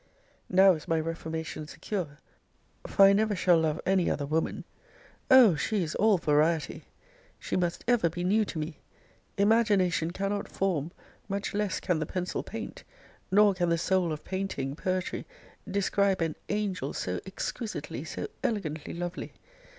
Now is my reformation secure; for I never shall love any other woman! Oh! she is all variety! She must ever be new to me! Imagination cannot form; much less can the pencil paint; nor can the soul of painting, poetry, describe an angel so exquisitely, so elegantly lovely!